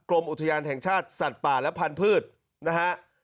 กรมอุทยานแห่งชาติสัตว์ป่าและพันธุ์นะฮะ